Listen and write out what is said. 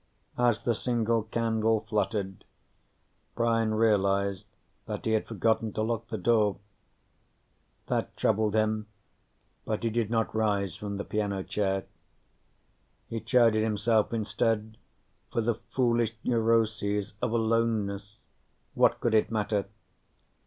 As the single candle fluttered, Brian realized that he had forgotten to lock the door. That troubled him, but he did not rise from the piano chair. He chided himself instead for the foolish neuroses of aloneness what could it matter?